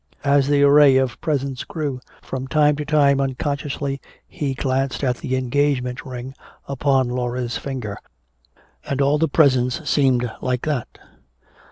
As the array of presents grew, from time to time unconsciously he glanced at the engagement ring upon Laura's finger. And all the presents seemed like that.